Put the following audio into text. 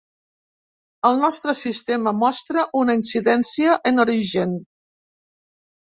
El nostre sistema mostra una incidència en origen.